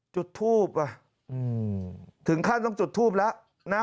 จุดทูบว่ะถึงขั้นต้องจุดทูปแล้วนะ